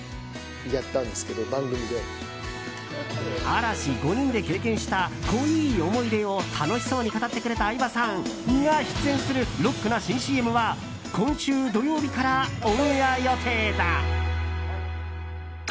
嵐５人で経験した濃い思い出を楽しそうに語ってくれた相葉さんが出演するロックな新ＣＭは今週土曜日からオンエア予定だ。